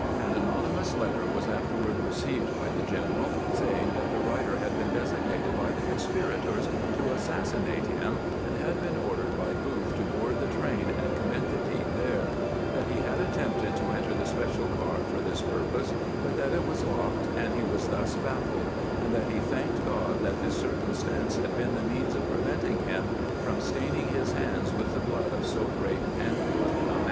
An anonymous letter was afterward re ceived by the general saying that the writer had been designated by the conspirators to assassinate him, and had been ordered by Booth to board the train and com mit the deed there ; that he had attempted to enter the special car for this purpose, but that it was locked, and he was thus baffled ; and that he thanked Grod that this circumstance had been the means of preventing him from staining his hands with the blood of so great and good a man.